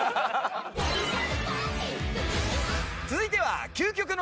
続いては。